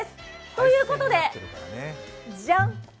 ということで、ジャン！